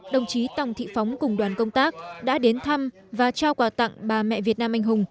đồng chí tòng thị phóng cùng đoàn công tác đã đến thăm và trao quà tặng bà mẹ việt nam anh hùng